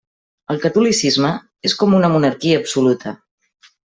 El catolicisme és com una monarquia absoluta.